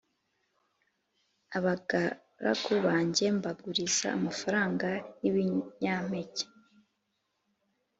Abagaragu banjye mbaguriza amafaranga n’ibinyampeke